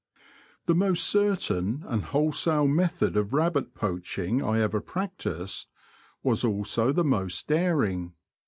The most certain and wholesale method of rabbit poaching I ever practised was also the most daring.